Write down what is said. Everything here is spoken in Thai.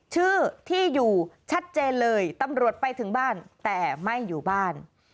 ชื่อที่อยู่ชัดเจนเลยตำรวจไปถึงบ้านแต่ไม่อยู่บ้าน